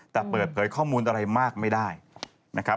แต่เปิดเผยข้อมูลอะไรมากไม่ได้นะครับ